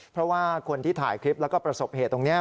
เพราะว่าคนที่ถ่ายคลิปแล้วก็ประสบเหตุตรงนี้